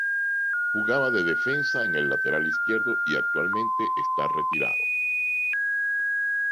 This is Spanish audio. Jugaba de defensa en el lateral izquierdo y actualmente está retirado.